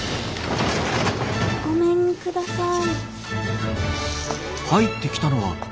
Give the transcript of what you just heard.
・ごめんください。